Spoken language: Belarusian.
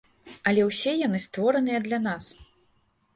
Але ўсе яны створаныя для нас.